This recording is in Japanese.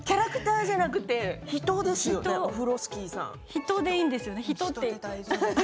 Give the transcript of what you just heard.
人でいいんですよね？